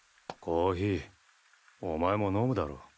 コーヒーお前も飲むだろ？